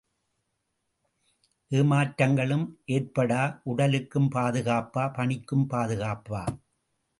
ஏமாற்றங்களும் ஏற்படா, உடலுக்கும் பாதுகாப்பு, பணிக்கும் பாதுகாப்பு!